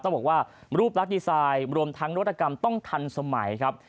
ต้องบอกว่ารูปรักดีไซน์รวมทั้งนวัตกรรมต้องทันสมัยครับ